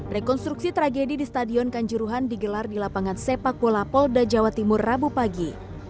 rekonstruksi tragedi di stadion kanjuruhan digelar di lapangan sepak bola polda jawa timur rabu pagi